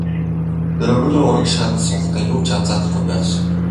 Грегори урагш харан суухдаа юу ч анзаарахгүй байх шиг.